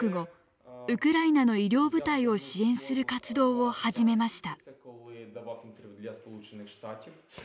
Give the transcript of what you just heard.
ウクライナの医療部隊を支援する活動を始めました。